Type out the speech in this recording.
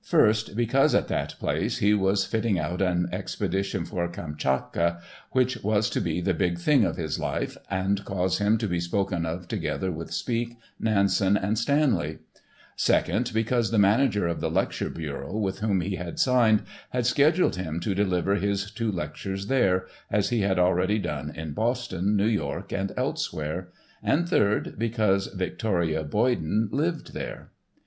First because at that place he was fitting out an expedition for Kamtchatka which was to be the big thing of his life, and cause him to be spoken of together with Speke, Nansen and Stanley; second because the manager of the lecture bureau with whom he had signed, had scheduled him to deliver his two lectures there, as he had already done in Boston, New York, and elsewhere; and, third because Victoria Boyden lived there.